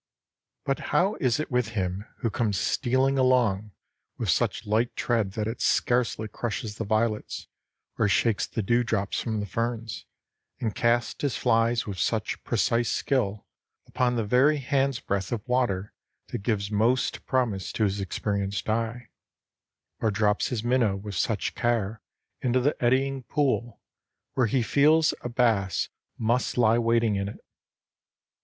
But how is it with him who comes stealing along with such light tread that it scarcely crushes the violets or shakes the dewdrops from the ferns, and casts his flies with such precise skill upon the very handsbreadth of water that gives most promise to his experienced eye; or drops his minnow with such care into the eddying pool, where he feels a bass must lie awaiting it.